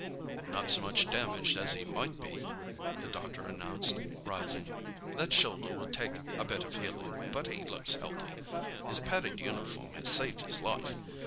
"Not so much damaged as he might be," the doctor announced, rising. "That shoulder will take a bit of healing, but he looks healthy. His padded uniform has saved his life.